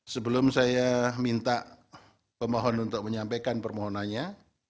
sebelum saya minta pemohon untuk menyampaikan permohonannya